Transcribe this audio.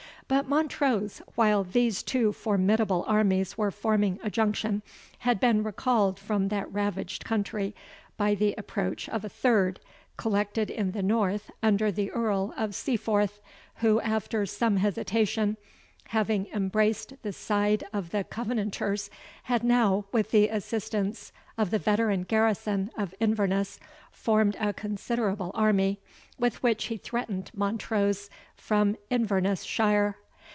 But Montrose, while these two formidable armies were forming a junction, had been recalled from that ravaged country by the approach of a third, collected in the north under the Earl of Seaforth, who, after some hesitation, having embraced the side of the Covenanters, had now, with the assistance of the veteran garrison of Inverness, formed a considerable army, with which he threatened Montrose from Inverness shire.